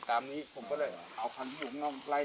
มันเอาน้ำแก้งเนี่ยเนี่ย